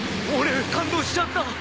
俺感動しちゃった！